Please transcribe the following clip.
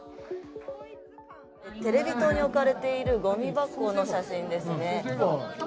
テレビ塔に置かれているごみ箱の写真ですね。